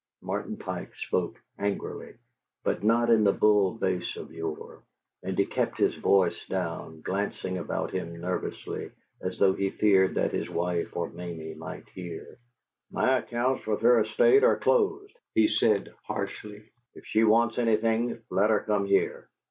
Martin Pike spoke angrily, but not in the bull bass of yore; and he kept his voice down, glancing about him nervously as though he feared that his wife or Mamie might hear. "My accounts with her estate are closed," he said, harshly. "If she wants anything, let her come here."